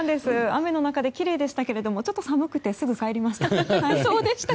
雨の中できれいでしたけどちょっと寒くてすぐに帰りました。